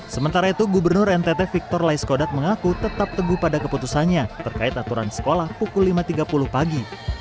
sementara itu gubernur ntt victor laiskodat mengaku tetap teguh pada keputusannya terkait aturan sekolah pukul lima tiga puluh pagi